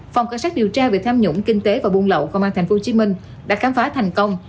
phòng cảnh sát điều tra về tham nhũng kinh tế và buôn lậu công an tp hcm đã khám phá thành công